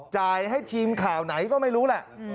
จ่ายให้ทีมข่าวไหนก็ไม่รู้แหละ